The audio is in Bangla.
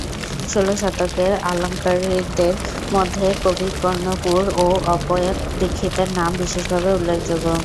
ষোল শতকের আলঙ্কারিকদের মধ্যে কবিকর্ণপূর ও অপ্পয়দীক্ষিতের নাম বিশেষভাবে উল্লেখযোগ্য।